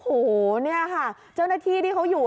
โอ้โหเนี่ยค่ะเจ้าหน้าที่ที่เขาอยู่